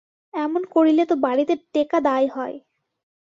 এমন করিলে তো বাড়িতে টেঁকা দায় হয়।